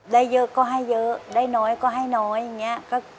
ได้เยอะก็ให้เยอะได้น้อยก็ให้น้อยอย่างนี้